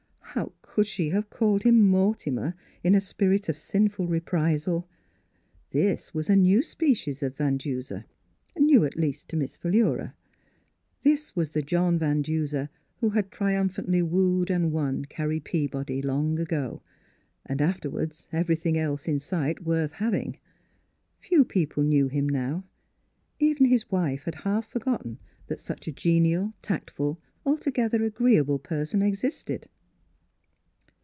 How could she have called him " Mortimer " in a spirit of sinful reprisal? This was a new species of Van Duser, new at least to Miss Phi lura; this was the John Van Duser who had triumphantly wooed and won Carrie Peabody long ago, and afterward every thing else in sight worth having. Few people knew him now; even his wife had half forgotten that such a genial, tact ful, altogether agreeable person existed.